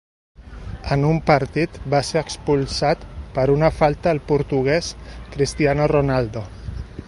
En un partit va ser expulsat per una falta al portuguès Cristiano Ronaldo.